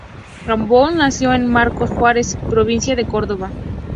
Gamboa nació en Marcos Juárez, provincia de Córdoba.